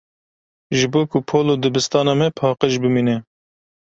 Ji bo ku pol û dibistana me paqij bimîne.